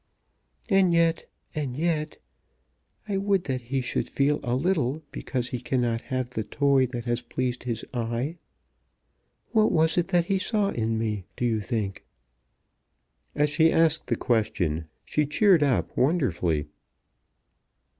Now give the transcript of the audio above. "And yet, and yet . I would that he should feel a little because he cannot have the toy that has pleased his eye. What was it that he saw in me, do you think?" As she asked the question she cheered up wonderfully.